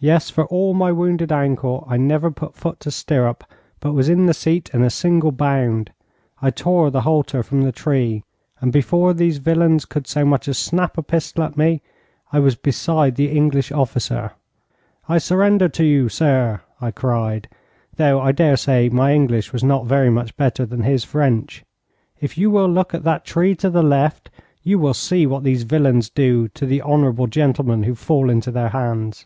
Yes, for all my wounded ankle, I never put foot to stirrup, but was in the seat in a single bound. I tore the halter from the tree, and before these villains could so much as snap a pistol at me I was beside the English officer. 'I surrender to you, sir,' I cried; though I daresay my English was not very much better than his French. 'If you will look at that tree to the left you will see what these villains do to the honourable gentlemen who fall into their hands.'